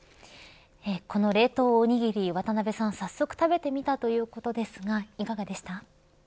この冷凍おにぎり渡辺さん、早速食べてみたということですがいかがでした。